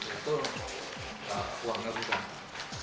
itu uang yang berusaha